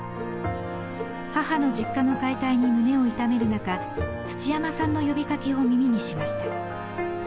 母の実家の解体に胸を痛める中土山さんの呼びかけを耳にしました。